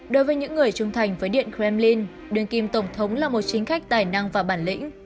đối với những người trung thành với điện kremlin đường kim tổng thống là một chính khách tài năng và bản lĩnh